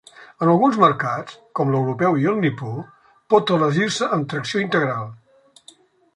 En alguns mercats, com l'europeu i el nipó, pot elegir-se amb tracció integral.